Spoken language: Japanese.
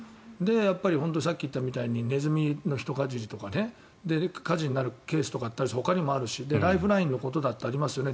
本当にさっき言ったみたいにネズミのひとかじりとかで火事になるケースとかほかにもあるしライフラインのことだってありますよね。